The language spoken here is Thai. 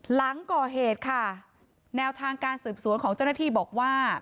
หลังก่อเหตุค่ะแนวทางการสืบสวนของเจ้าหน้าที่บอกว่า